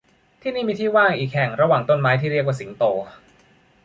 ที่นี่มีที่ว่างอีกแห่งระหว่างต้นไม้ที่เรียกว่าสิงโต